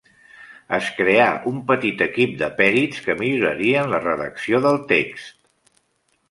Es creà un petit equip de pèrits que millorarien la redacció del text.